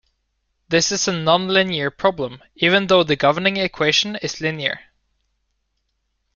This is a non-linear problem, even though the governing equation is linear.